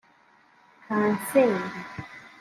Kanseri